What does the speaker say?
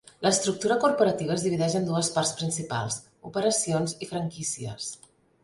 L'estructura corporativa es divideix en dues parts principals: operacions i franquícies.